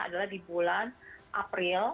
adalah di bulan april